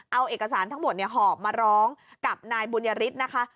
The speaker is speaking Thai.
เอาเอกสารทั้งหมดหอบมาร้องกับนายบุญยฤทธิ์นะคะ